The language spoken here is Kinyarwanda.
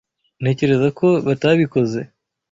Ntekereza ko batabikoze.